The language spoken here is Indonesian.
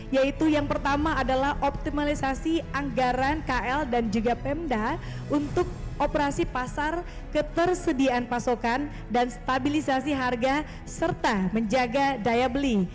yaitu yang pertama adalah optimalisasi anggaran kl dan juga pemda untuk operasi pasar ketersediaan pasokan dan stabilisasi harga serta menjaga daya beli